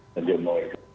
jadi mau itu